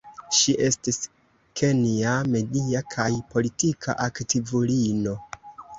Ŝi estis kenja media kaj politika aktivulino.